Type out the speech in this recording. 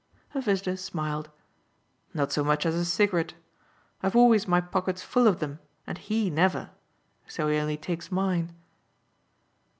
Her visitor smiled. "Not so much as a cigarette. I've always my pockets full of them, and HE never: so he only takes mine.